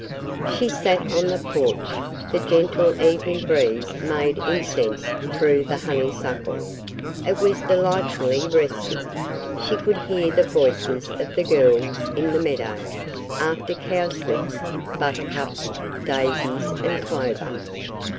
She sat on the porch; the gentle evening breeze made incense through the honeysuckle. It was delightfully resting; she could hear the voices of the girls in the meadow, after cowslips, buttercups, daisies and clover.